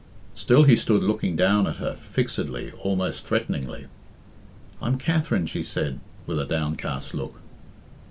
Still he stood looking down at her, fixedly, almost threateningly. "I am Katherine," she said, with a downcast look.